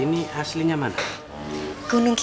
oh ini household dari aries indonesia